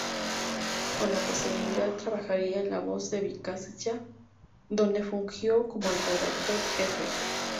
Con posterioridad trabajaría en "La Voz de Vizcaya", donde fungió como redactor-jefe.